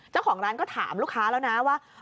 เจ้าของร้านก็ถามลูกค้าแล้วนะว่า